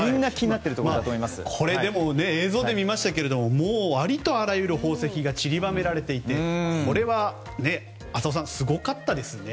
これ、映像で見ましたけどありとあらゆる宝石が散りばめられていてこれは浅尾さんすごかったですね。